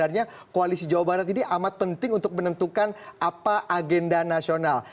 kami ingin mengetahui bahwa koalisi jawa barat ini amat penting untuk menentukan apa agenda nasional